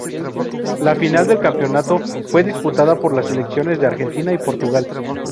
La final del campeonato fue disputada por las selecciones de Argentina y Portugal.